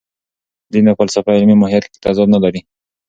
دین او فلسفه علمي ماهیت کې تضاد نه لري.